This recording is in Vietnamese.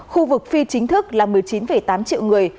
khu vực phi chính thức là một mươi chín tám triệu người